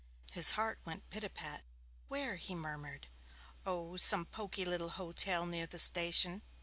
His heart went pit a pat. 'Where?' he murmured. 'Oh, some poky little hotel near the station.